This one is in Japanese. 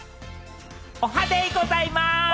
おはデイございます！